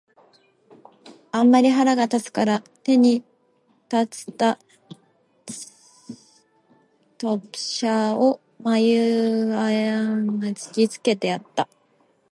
あんまり腹が立つたから、手に在つた飛車を眉間へ擲きつけてやつた。